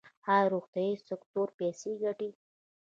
آیا روغتیايي سکتور پیسې ګټي؟